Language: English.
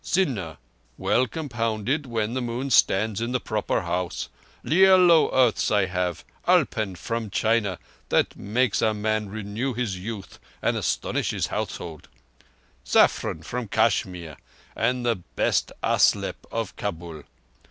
Siná well compounded when the moon stands in the proper House; yellow earths I have—arplan from China that makes a man renew his youth and astonish his household; saffron from Kashmir, and the best salep of Kabul.